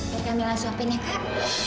ya camilla suapin ya kak